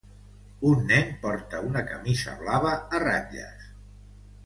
Un nen porta una camisa blava a ratlles.